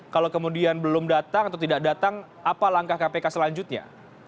kalau kemudian belum datang atau tidak datang apa langkah kpk selanjutnya